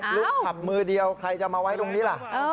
ลุกขับมือเดียวใครจะมาไว้ตรงนี้ล่ะ